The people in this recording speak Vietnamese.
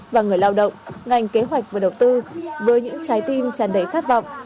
và người lao động ngành kế hoạch và đầu tư với những trái tim tràn đầy khát vọng